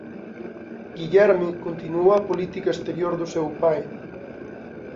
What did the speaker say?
Guillerme continuou a política exterior do seu pai.